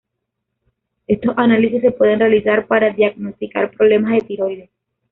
Estos análisis se pueden realizar para diagnosticar problemas de tiroides.